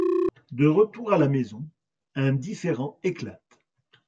De retour à la maison, un différend éclate.